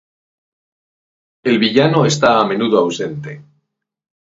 El vilano está a menudo ausente.